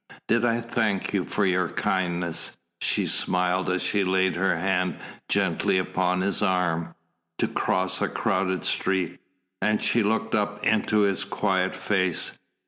"Did I thank you for your kindness?" She smiled as she laid her hand gently upon his arm, to cross a crowded street, and she looked up into his quiet face.